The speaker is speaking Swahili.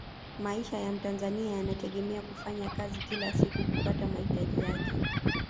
maisha ya mtanzania yanategemea kufanya kazi kila siku kupata mahitaji yake